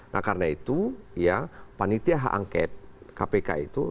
nah karena itu ya panitia hak angket kpk itu